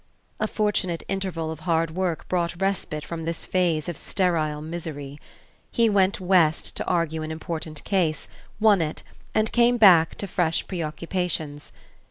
A fortunate interval of hard work brought respite from this phase of sterile misery. He went West to argue an important case, won it, and came back to fresh preoccupations.